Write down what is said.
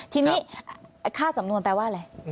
ทีนี้ค่าสำนวนแปลว่าอะไร